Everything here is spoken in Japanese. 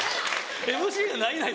ＭＣが「ないない！」